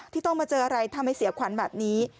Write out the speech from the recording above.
ที่ต้องมาเจออะไรทำให้เสียขวัญแบบนี้